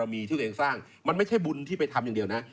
มันไม่ใช่บุญที่ไปทำอย่างเดียวนะ